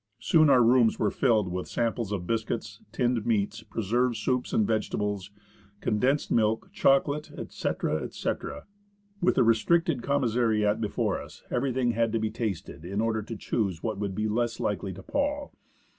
Soon our rooms were filled with samples of biscuits, tinned meats, preserved soups and vegetables, condensed milk, chocolate, etc., etc. With the restricted commissariat before us, everything had to be tasted, in order to choose what would be least likely to pall.